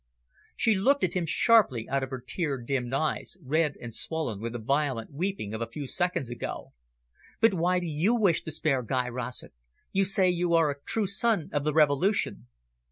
She looked at him sharply out of her tear dimmed eyes, red and swollen with the violent weeping of a few seconds ago. "But why do you wish to spare Guy Rossett? You say you are a true son of the Revolution."